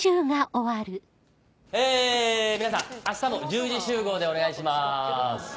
え皆さんあしたも１０時集合でお願いします。